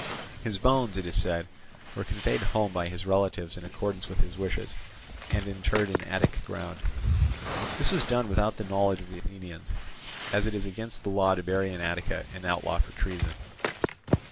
His bones, it is said, were conveyed home by his relatives in accordance with his wishes, and interred in Attic ground. This was done without the knowledge of the Athenians; as it is against the law to bury in Attica an outlaw for treason.